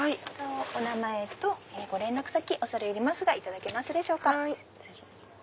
お名前とご連絡先恐れ入りますが頂けますでしょうか。